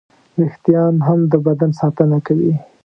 وېښتيان هم د بدن ساتنه کوي.